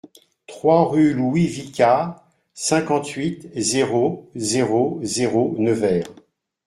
trois rue Louis Vicat, cinquante-huit, zéro zéro zéro, Nevers